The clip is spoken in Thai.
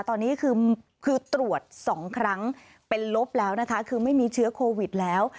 ตอนนี้คือตรวจ๒ครั้งเป็นลบแล้วนะคะคือไม่มีเชื้อโควิดแล้ว